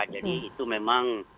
jadi itu memang